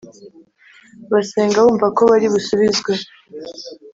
basenga bumva ko bari busubizwe